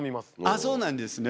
あっそうなんですね。